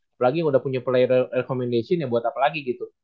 apalagi yang udah punya player recommendation buat apa lagi gitu